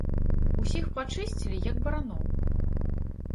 Усіх пачысцілі, як бараноў.